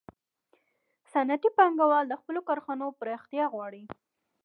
صنعتي پانګوال د خپلو کارخانو پراختیا غواړي